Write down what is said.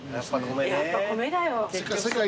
やっぱ米だよ。